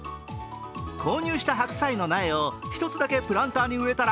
購入した白菜の苗を１つだけプランターに植えたら